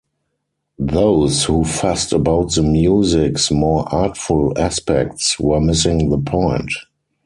Those who fussed about the music's more artful aspects were missing the point.